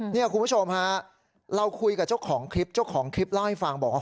นี่คุณผู้ชมฮะเราคุยกับเจ้าของคลิปเจ้าของคลิปเล่าให้ฟังบอกว่า